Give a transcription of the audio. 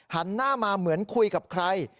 หันหน้ามาเหมือนคุยกับใคร